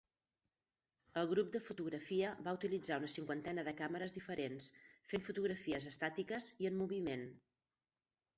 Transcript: El grup de fotografia va utilitzar una cinquantena de càmeres diferents, fent fotografies estàtiques i en moviment.